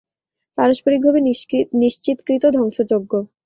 পারস্পরিকভাবে নিশ্চিতকৃত ধ্বংসযজ্ঞ।